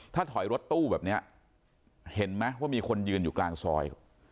ถ้าถอยรถตู้แบบนี้เห็นไหมว่ามีคนยืนอยู่กลางซอย